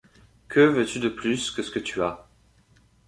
Que veux-tu de plus que ce que tu as ?